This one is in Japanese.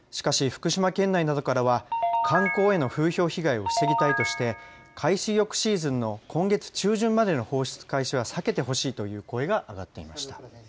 しかし福島県内などからは観光への風評被害を防ぎたいとして海水浴シーズンの今月中旬までの放出開始は避けてほしいという声が上がっていました。